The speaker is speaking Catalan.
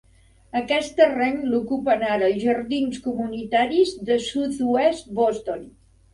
Aquest terreny l'ocupen ara els Jardins Comunitaris de Southwest Boston.